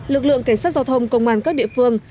lực lượng cảnh sát giao thông công an các địa phương